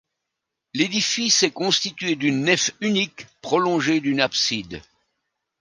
L'édifice est constitué d'une nef unique prolongée d'une abside.